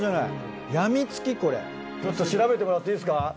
ちょっと調べてもらっていいですか？